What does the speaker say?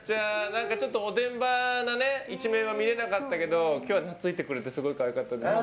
何か、ちょっとおてんばな一面は見れなかったけど今日は懐いてくれてすごく良かったです。